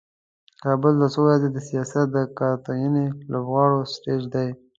کابل دا څو ورځې د سیاست د کارتوني لوبغاړو سټیج دی.